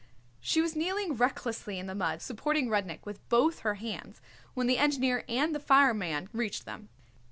She was kneeling recklessly in the mud supporting Rudnik with both her hands when the engineer and the fireman reached them.